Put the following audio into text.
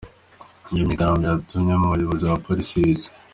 Iyo myigaragambyo yatumye umwe mu bayobozi ba Polisi yicwa.